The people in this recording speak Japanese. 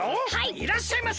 いらっしゃいませ！